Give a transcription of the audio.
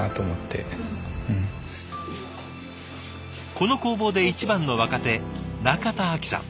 この工房で一番の若手中田亜希さん。